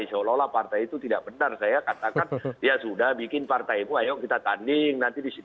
insya allah partai itu tidak benar saya katakan ya sudah bikin partai ayo kita tanding